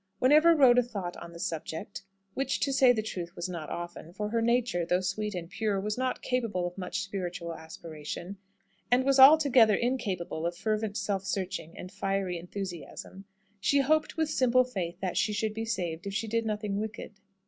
Whenever Rhoda thought on the subject which, to say the truth, was not often, for her nature, though sweet and pure, was not capable of much spiritual aspiration, and was altogether incapable of fervent self searching and fiery enthusiasm she hoped with simple faith that she should be saved if she did nothing wicked.